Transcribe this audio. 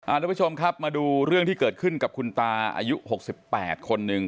ทุกผู้ชมครับมาดูเรื่องที่เกิดขึ้นกับคุณตาอายุ๖๘คนหนึ่ง